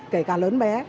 kể cả lớn bé